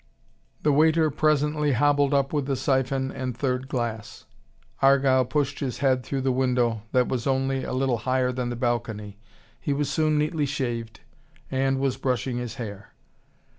The waiter presently hobbled up with the syphon and third glass. Argyle pushed his head through the window, that was only a little higher than the balcony. He was soon neatly shaved, and was brushing his hair.